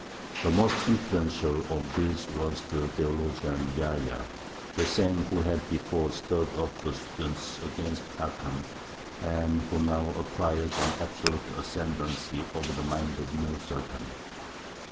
The most influential of these was the theologian Yahya, the same who had before stirred up the students against Hakam, and who now acquired an absolute ascendency over the mind of the new Sultan.